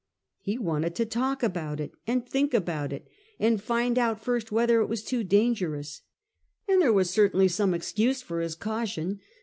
He wanted to talk about it, and think about it, and find out IX AT CADIZ 119 first whether it was too dangerous. And there was certainly some excuse for his caution.